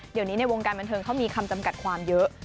เดี๋ยวนี้ในวงการบันเทิงเขามีคำจำกัดความเยอะ